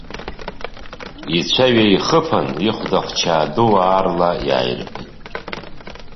Ицәа ҩеихыԥан, ихәда хчаа ду аарла иааирҳәит.